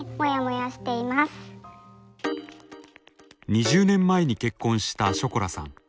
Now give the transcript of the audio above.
２０年前に結婚したショコラさん。